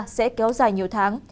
sẽ kéo dài nhiều tháng